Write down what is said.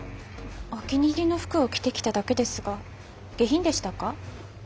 お気に入りの服を着てきただけですが下品でしたか？